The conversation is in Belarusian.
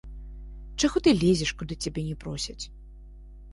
Чаго ты лезеш, куды цябе не просяць!